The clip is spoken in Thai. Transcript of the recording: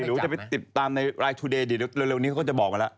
หรือจะไปติดตามในรายทูเดย์เดี๋ยวเร็วนี้เขาก็จะบอกมาแล้ว